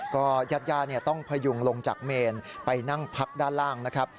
ก็ญาติต้องพยุงลงจากเมนไปนั่งพักด้านล่างนะครับ